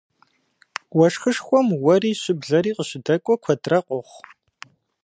Уэшхышхуэм уэри щыблэри къыщыдэкӏуэ куэдрэ къохъу.